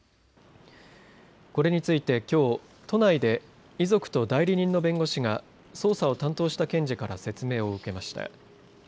これについて、きょう都内で遺族と代理人の弁護士が捜査を担当した検事から説明を受けました。